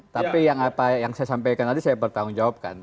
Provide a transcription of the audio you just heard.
tapi yang apa yang saya sampaikan tadi saya bertanggung jawabkan